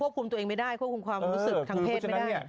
คุมตัวเองไม่ได้ควบคุมความรู้สึกทางเพศไม่ได้